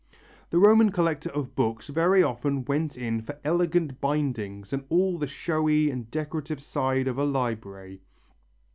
The Roman collector of books very often went in for elegant bindings and all the showy and decorative side of a library.